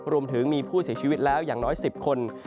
รวมถึงมีผู้เสียชีวิตแล้วอย่างน้อย๑๐คน